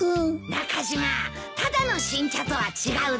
中島ただの新茶とは違うだろ？